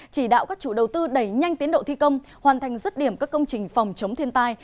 chỉ đạo các chủ đầu tư đẩy nhanh tiến độ thi công hoàn thành dứt điểm các công trình phòng chống thiên tai